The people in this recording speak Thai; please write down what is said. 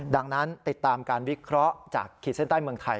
ดังนั้นติดตามการวิเคราะห์จากขีดเส้นใต้เมืองไทย